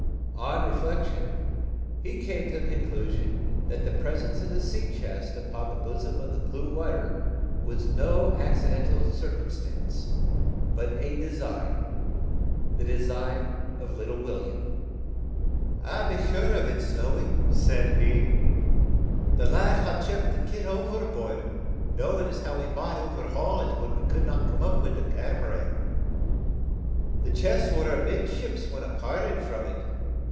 On reflection, he came to the conclusion that the presence of the sea chest upon the bosom of the blue water was no accidental circumstance, but a design, the design of little William. "I be sure o't, Snowy," said he; "the lad ha' chucked the kit overboard, knowin' as how we mout overhaul it, when we could not come up wi' the Catamaran. The chest war amidships, when I parted from it.